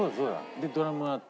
でドラムもあって。